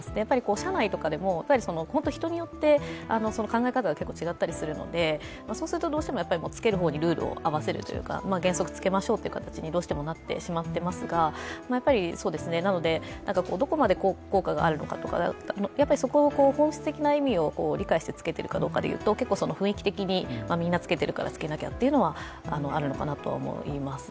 社内とかでも人によって考え方が結構違ったりするのでどうしても着ける方にルールを合わせるというか、原則着けましょうという形にどうしてもなってしまっていますが、なので、どこまで効果があるのかとか、そこを本質的な意味を理解して着けているかどうかでいうと雰囲気的にみんな着けているから着けなきゃというのはあるのかなと思いますね。